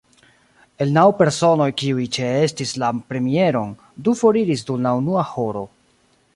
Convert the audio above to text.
El naŭ personoj kiuj ĉeestis la premieron, du foriris dum la unua horo.